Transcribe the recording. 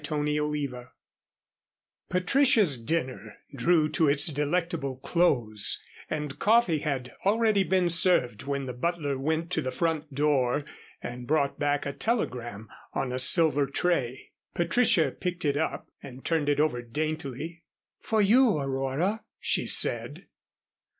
CHAPTER XVIII Patricia's dinner drew to its delectable close, and coffee had already been served when the butler went to the front door and brought back a telegram on a silver tray. Patricia picked it up and turned it over daintily. "For you, Aurora," she said.